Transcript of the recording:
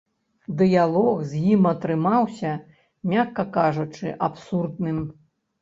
Дыялог з ім атрымаўся, мякка кажучы, абсурдным.